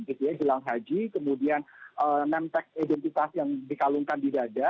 gitu ya jelang haji kemudian nemtek identitas yang dikalungkan di dada